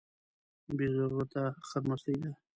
بې ضرورته خرمستي ده.